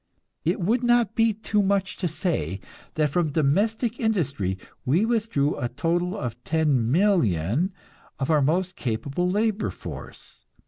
It would not be too much to say that from domestic industry we withdrew a total of ten million of our most capable labor force.